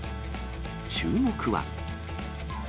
注目は。